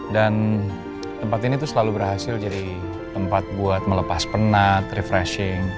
dan tempat ini tuh selalu berhasil jadi tempat buat melepas penat refreshing